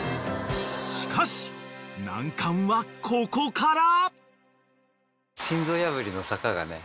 ［しかし難関はここから］